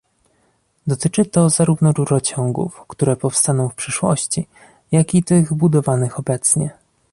Dotyczy to zarówno rurociągów, które powstaną w przyszłości, jak i tych budowanych obecnie